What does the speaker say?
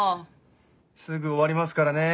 すぐ終わりますからね。